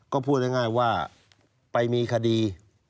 ก็พูดง่ายว่าไปมีคดี